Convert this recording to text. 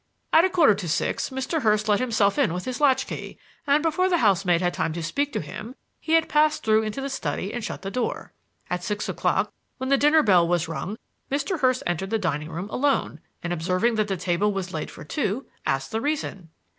"At a quarter to six Mr. Hurst let himself in with his latchkey, and before the housemaid had time to speak to him he had passed through into the study and shut the door. "At six o'clock, when the dinner bell was rung, Mr. Hurst entered the dining room alone, and observing that the table was laid for two, asked the reason.